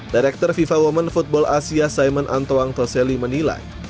direktur fifa woman football asia simon antoang toseli menilai